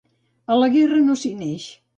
A la guerra no s'hi neix.